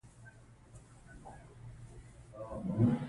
شفاف پریکړې د باور فضا رامنځته کوي.